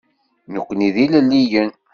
Nekkni d ilelliyen.